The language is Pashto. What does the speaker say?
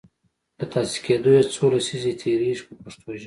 له تاسیس کیدو یې څو لسیزې تیریږي په پښتو ژبه.